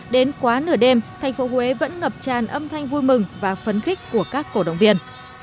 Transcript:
đến quá nửa đêm thành phố huế vẫn ngập tràn âm thanh vui mừng và phấn khích của các cổ động viên